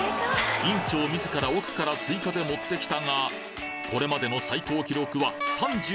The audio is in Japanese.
院長自ら奥から追加で持ってきたがこれまでの最高記録は３８。